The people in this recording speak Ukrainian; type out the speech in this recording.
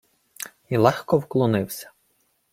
Й легко вклонився.